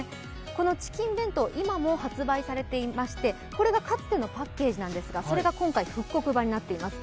このチキン弁当今も発売されていましてこれがかつてのパッケージなんですがそれが今回、復刻版になっています。